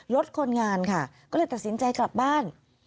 รถคนงานค่ะก็เลยตัดสินใจกลับบ้าน